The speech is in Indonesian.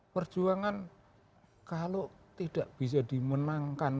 perjuangan kalau tidak bisa dimenangkan